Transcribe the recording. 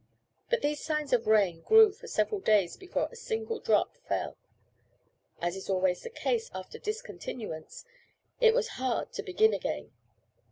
But these signs of rain grew for several days before a single drop fell; as is always the case after discontinuance, it was hard to begin again.